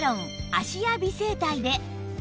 芦屋美整体で